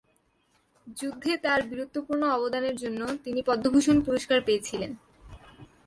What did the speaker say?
যুদ্ধে তার বীরত্বপূর্ণ অবদানের জন্য তিনি পদ্মভূষণ পুরস্কার পেয়েছিলেন।